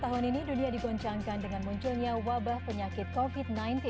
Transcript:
tahun ini dunia digoncangkan dengan munculnya wabah penyakit covid sembilan belas